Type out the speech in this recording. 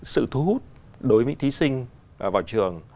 sự thu hút đối với thí sinh vào trường